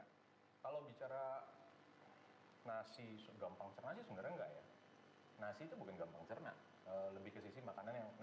kalau bicara nasi gampang cernas sih sebenarnya nggak ya